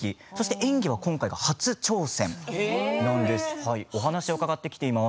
演技は今回が初挑戦なんです。